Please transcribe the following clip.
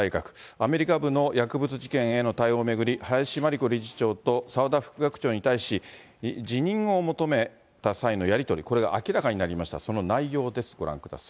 アメリカ部の薬物事件への対応を巡り、林真理子理事長と澤田副学長に対し、辞任を求めた際のやり取り、これが明らかになりました。